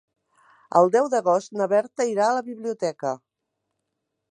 El deu d'agost na Berta irà a la biblioteca.